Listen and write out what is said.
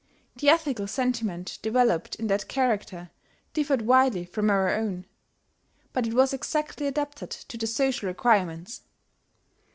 The ethical sentiment developed in that character differed widely from our own; but it was exactly adapted to the social requirements.